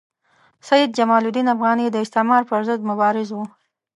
سید جمال الدین افغاني د استعمار پر ضد مبارز وو.